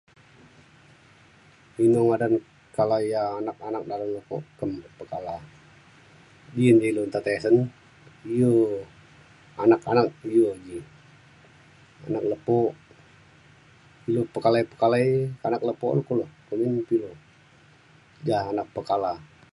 Inu ngadan kala ia’ anak anak dalau lepo kem pekala? Di di lu nta tisen iu anak anak iu ji anak lepo ilu pekalai pekalai anak lepo lu kulo tengen bio ja anak pekala.